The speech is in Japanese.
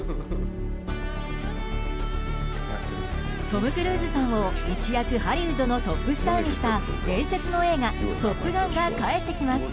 トム・クルーズさんを一躍、ハリウッドのトップスターにした伝説の映画「トップガン」が帰ってきます。